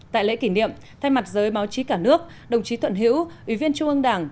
tại lễ kỷ niệm thay mặt giới báo chí cả nước đồng chí thuận hữu ủy viên trung ương đảng